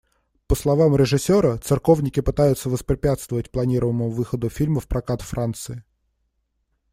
По словам режиссера, церковники пытаются воспрепятствовать планируемому выходу фильма в прокат Франции.